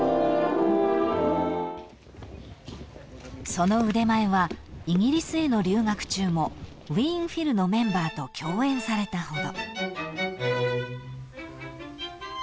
［その腕前はイギリスへの留学中もウィーン・フィルのメンバーと共演されたほど］